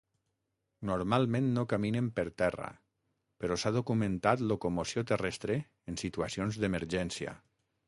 Normalment no caminen per terra, però s'ha documentat locomoció terrestre en situacions d'emergència.